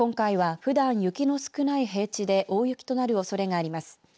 ふだん雪の少ない平地で大雪となるおそれがあります。